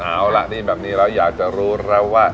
เอาล่ะนี่แบบนี้แล้วอยากจะรู้แล้วว่า